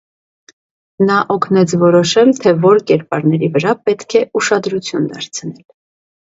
Նա օգնեց որոշել, թե որ կերպարների վրա պետք է ուշադրություն դարձնել։